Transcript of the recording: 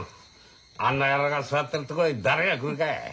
あんな野郎が座ってるところへ誰が来るかい。